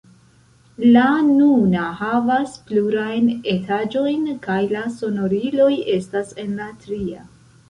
La nuna havas plurajn etaĝojn kaj la sonoriloj estas en la tria.